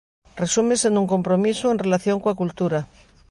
Resúmese nun compromiso en relación coa cultura.